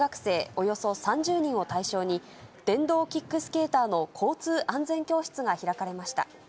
およそ３０人を対象に、電動キックスケーターの交通安全教室が開かれました。